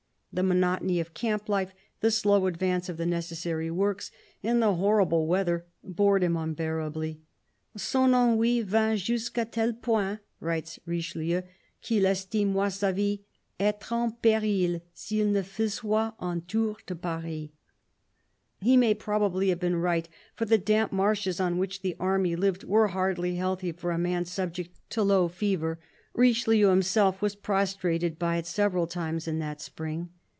The monotony of camp life, the slow advance of the necessary works, and the horrible weather, bored him unbearably: "son ennui vint jusqu'k tel point," writes Richelieu, " qu'il estimoit sa vie etre en peril s'il ne faisoit un tour a Paris." He may probably have been right, for the damp marshes on which the army lived were hardly healthy for a man subject to low fever ; Richelieu himself was prostrated by it several times in that spring.